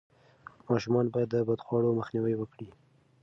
ماشومان باید د بدخواړو مخنیوی وکړي.